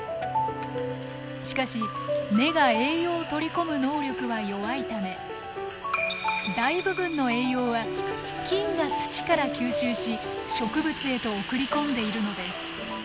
しかし根が栄養を取り込む能力は弱いため大部分の栄養は菌が土から吸収し植物へと送り込んでいるのです。